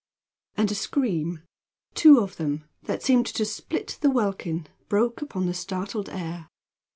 And a scream two of them that seemed to split the welkin, broke upon the startled air.